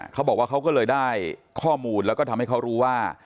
เขาบอกว่าเขาก็เลยได้ข้อมูลแล้วก็ทำให้เขารู้ว่า